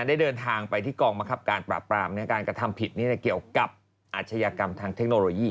ได้เดินทางไปที่กองบังคับการปราบปรามการกระทำผิดเกี่ยวกับอาชญากรรมทางเทคโนโลยี